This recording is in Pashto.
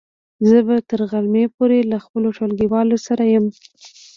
زه به تر غرمې پورې له خپلو ټولګیوالو سره يم.